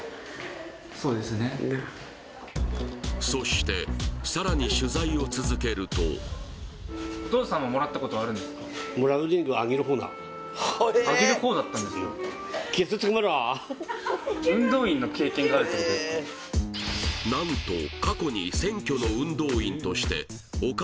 そしてさらに取材を続けると何と選挙の運動員としても発見